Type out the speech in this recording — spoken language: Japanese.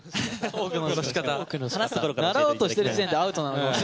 習おうとしてる時点でアウトなのに。